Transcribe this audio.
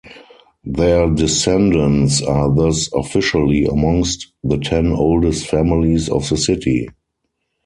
Their descendants are thus officially amongst the ten oldest families of the city.